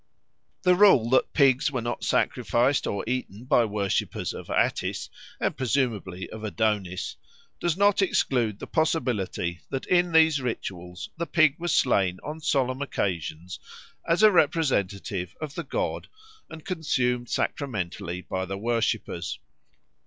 The rule that pigs were not sacrificed or eaten by worshippers of Attis and presumably of Adonis, does not exclude the possibility that in these rituals the pig was slain on solemn occasions as a representative of the god and consumed sacramentally by the worshippers.